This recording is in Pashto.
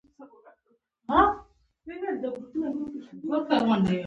په روم کې وضعیت امپراتورۍ ته په ورتګ تمام شو.